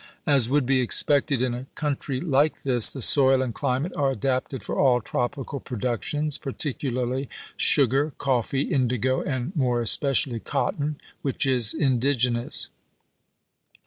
As would be expected in a country like this, the soil and climate are adapted for all tropical productions, particularly sugar, coffee, indigo, and, more especially, cotton, which is indigenous.